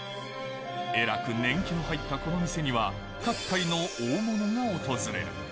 えらく年季の入ったこの店には、各界の大物が訪れる。